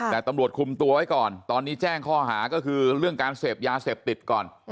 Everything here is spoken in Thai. แต่ตำรวจคุมตัวไว้ก่อนตอนนี้แจ้งข้อหาก็คือเรื่องการเสพยาเสพติดก่อน